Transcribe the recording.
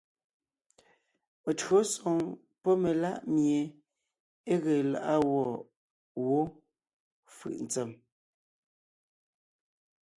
Meÿǒsoŋ pɔ́ melá’ mie é ge lá’a gwɔ̂ wó fʉʼ ntsèm :